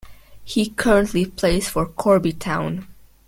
He currently plays for Corby Town.